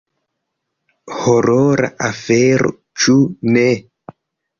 Horora afero, ĉu ne?